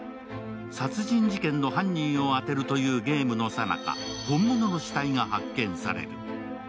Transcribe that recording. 殺人事件の犯人を当てるというゲームのさなか本物の死体が発見される。